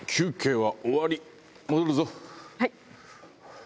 はい。